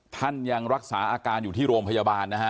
ยังรักษาอาการอยู่ที่โรงพยาบาลนะฮะ